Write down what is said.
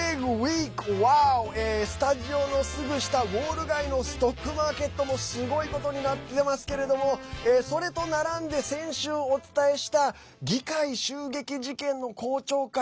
スタジオのすぐ下、ウォール街のストックマーケットもすごいことになってますけれどもそれと並んで先週お伝えした議会襲撃事件の公聴会。